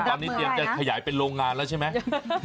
ตอนนี้เตรียมจะขยายเป็นโรงงานแล้วใช่ไหม